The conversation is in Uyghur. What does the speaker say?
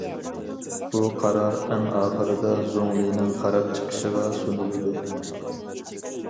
بۇ قارار ئەڭ ئاخىرىدا زۇڭلىنىڭ قاراپ چىقىشىغا سۇنۇلىدۇ.